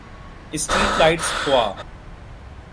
street lights خوا